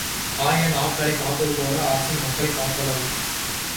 ஆயன் ஆக்களைக் காப்பதுபோல அரசன் மக்களைக் காத்தலால்